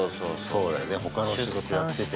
そうだよね、他の仕事やってて。